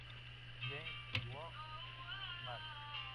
Guess Who's Back?